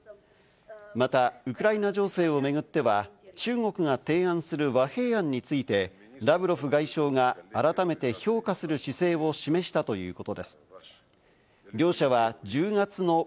また、ウクライナ情勢を巡っては、中国が提案する和平案についてラブロフ外相が改めて評価する姿勢を示したということです。